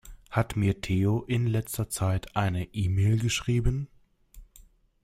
Hat mir Theo in letzter Zeit eine E-Mail geschrieben?